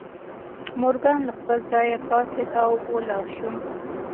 مورګان له خپل ځایه پاڅېد او ولاړ شو